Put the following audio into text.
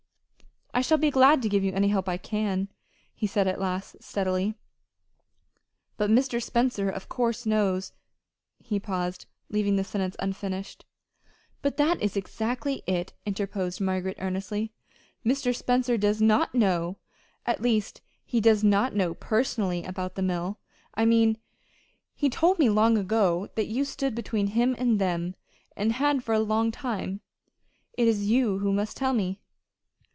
"I shall be glad to give you any help I can," he said at last, steadily; "but Mr. Spencer, of course, knows " he paused, leaving his sentence unfinished. "But that is exactly it," interposed Margaret, earnestly. "Mr. Spencer does not know at least, he does not know personally about the mill people, I mean. He told me long ago that you stood between him and them, and had for a long time. It is you who must tell me."